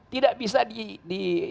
tidak bisa di